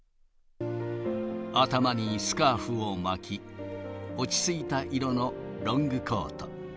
頭にスカーフを巻き、落ち着いた色のロングコート。